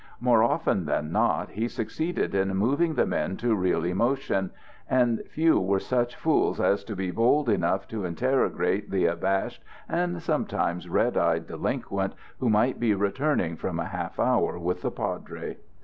More often than not he succeeded in moving the men to real emotion, and few were such fools as to be bold enough to interrogate the abashed and sometimes red eyed delinquent who might be returning from a half hour with the padre.